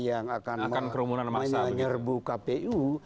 yang akan menyerbu kpu